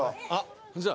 こんにちは。